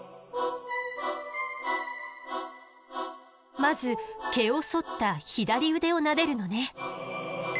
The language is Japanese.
まず毛をそった左腕をなでるのね。